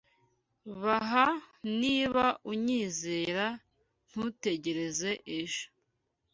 Baha niba unyizera ntutegereze ejo